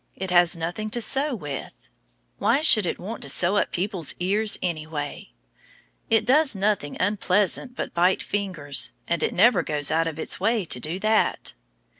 It has nothing to sew with. Why should it want to sew up people's ears, anyway? It does nothing unpleasant but bite fingers, and it never goes out of its way to do that.